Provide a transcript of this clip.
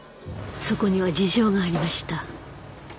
そこには事情がありました。